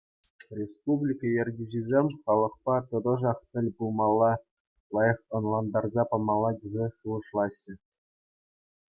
Республика ертӳҫисем халӑхпа тӑтӑшах тӗл пулмалла, лайӑх ӑнлантарса памалла тесе шухӑшлаҫҫӗ.